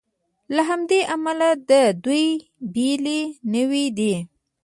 له همدې امله دا دوې بېلې نوعې دي.